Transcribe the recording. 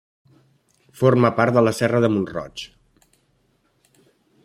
Forma part de la Serra de Mont-roig.